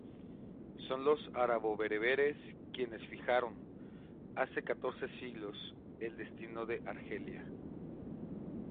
Son los arabo-bereberes quienes fijaron, hace catorce siglos, el destino de Argelia.